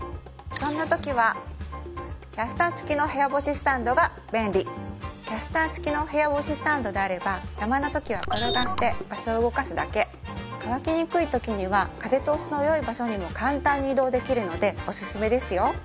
そんなときはキャスター付きの部屋干しスタンドが便利キャスター付きの部屋干しスタンドであれば邪魔なときは転がして場所を動かすだけ乾きにくいときには風通しのよい場所にも簡単に移動できるのでおすすめですよ